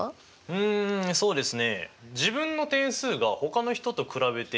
うんそうですね。